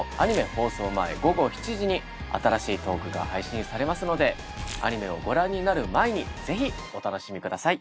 放送前午後７時に新しいトークが配信されますのでアニメをご覧になる前にぜひお楽しみください。